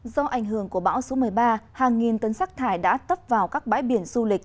do ảnh hưởng của bão số một mươi ba hàng nghìn tấn rác thải đã tấp vào các bãi biển du lịch